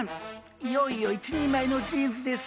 いよいよ一人前のジーンズです。